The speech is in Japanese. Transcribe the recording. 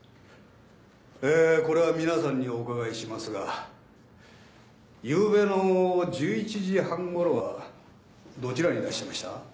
えこれは皆さんにお伺いしますがゆうべの１１時半頃はどちらにいらっしゃいました？